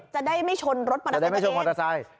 จะได้ไม่ชนรถมอเตอร์ไซต์ตัวเองจะได้ไม่ชนมอเตอร์ไซต์